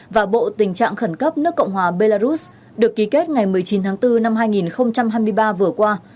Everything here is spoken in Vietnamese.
và bộ tình trạng khẩn cấp nước cộng hòa belarus được ký kết ngày một mươi chín tháng bốn năm hai nghìn hai mươi ba vừa qua